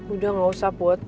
udah gak usah put